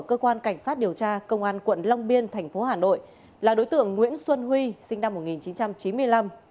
cơ quan cảnh sát điều tra công an quận long biên thành phố hà nội là đối tượng nguyễn xuân huy sinh năm một nghìn chín trăm chín mươi năm